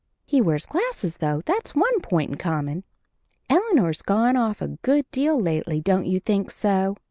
He wears glasses, though; that's one point in common. Eleanor's gone off a good deal lately, don't you think so?